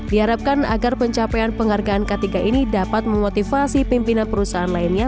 diharapkan agar pencapaian penghargaan k tiga ini dapat memotivasi pimpinan perusahaan lainnya